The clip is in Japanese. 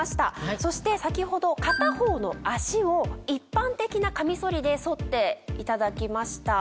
そして先ほど片方の脚を一般的なカミソリで剃っていただきました。